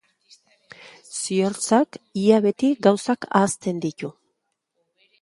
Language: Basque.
Ziortzak ia beti gauzak ahazten ditu.